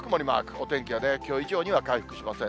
お天気はきょう以上には回復しません。